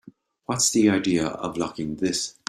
What's the idea of locking this?